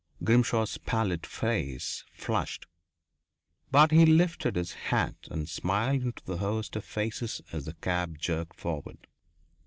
Grimshaw's pallid face flushed. But he lifted his hat and smiled into the host of faces as the cab jerked forward.